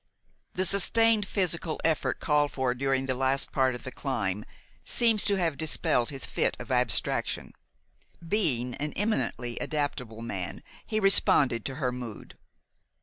The sustained physical effort called for during the last part of the climb seemed to have dispelled his fit of abstraction. Being an eminently adaptable man, he responded to her mood.